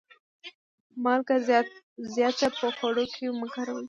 مالګه زیاته په خوړو کي مه کاروئ.